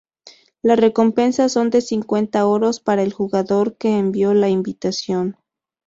La recompensa son de cincuenta oros para el jugador que envió la invitación.